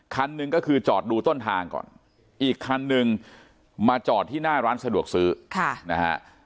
คันหนึ่งก็คือจอดดูต้นทางก่อนอีกคันนึงมาจอดที่หน้าร้านสะดวกซื้อค่ะนะฮะ